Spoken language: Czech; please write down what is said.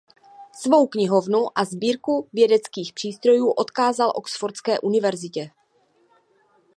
Svou knihovnu a sbírku vědeckých přístrojů odkázal oxfordské univerzitě.